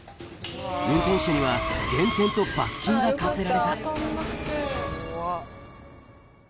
運転手には減点と罰金が科せこわ。